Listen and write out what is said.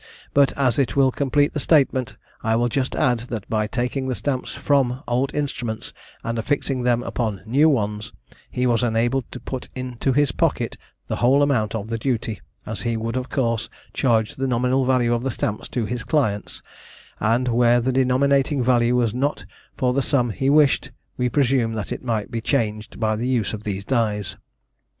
But as it will complete the statement, I will just add that by taking the stamps from old instruments, and affixing them upon new ones, he was enabled to put into his pocket the whole amount of the duty, as he would of course charge the nominal value of the stamps to his clients, and where the denominating value was not for the sum he wished, we presume that it might be changed by the use of these dies.